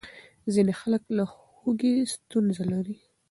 ځینې خلک له هوږې ستونزه لري.